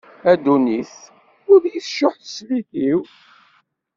A ddunit ur yi-tcuḥ teslit-iw.